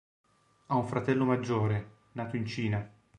Ha un fratello maggiore, nato in Cina.